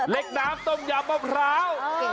น้ำต้มยำมะพร้าว